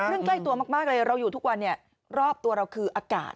เรื่องใกล้ตัวมากเลยเราอยู่ทุกวันรอบตัวเราคืออากาศ